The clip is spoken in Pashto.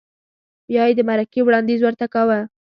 بیا یې د مرکې وړاندیز ورته کاوه؟